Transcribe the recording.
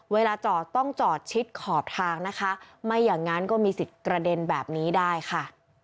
เวลาจอดต้องจอดชิดขอบทางนะคะไม่อย่างนั้นก็มีสิทธิ์กระเด็นแบบนี้ได้ค่ะ